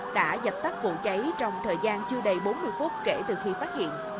đã dập tắt vụ cháy trong thời gian chưa đầy bốn mươi phút kể từ khi phát hiện